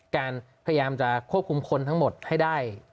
พยายามจะควบคุมคนทั้งหมดให้ได้